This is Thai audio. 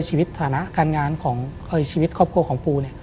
ชีวิตฐานะการงานของชีวิตครอบครัวของปู